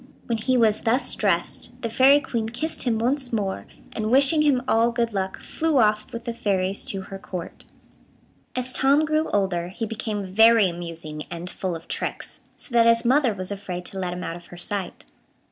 When he was thus dressed, the Fairy Queen kissed him once more, and, wishing him all good luck, flew off with the fairies to her Court. As Tom grew older, he became very amusing and full of tricks, so that his mother was afraid to let him out of her sight.